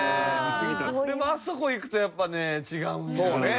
でもあそこ行くとやっぱね違うんやろうな。